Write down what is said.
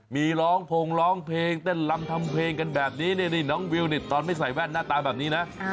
มีร้องพงร้องเพลงเต้นลำทำเพลงกันแบบนี้นี่น้องวิวเนี่ยตอนไม่ใส่แว่นหน้าตาแบบนี้นะ